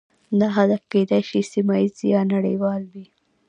دا هدف کیدای شي سیمه ایز یا نړیوال وي